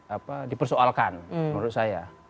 apa dipersoalkan menurut saya